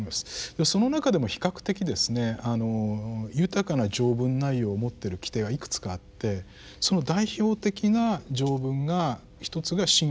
その中でも比較的ですね豊かな条文内容を持ってる規定がいくつかあってその代表的な条文がひとつが「信教の自由」